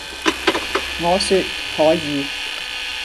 我説「可以！」